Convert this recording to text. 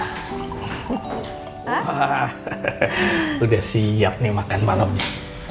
hahahaha udah siap nih makan malemnya